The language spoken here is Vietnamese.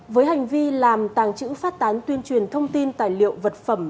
với hành vi làm tàng trữ phát tán tuyên truyền thông tin tài liệu vật phẩm